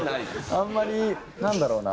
あんまりなんだろうな。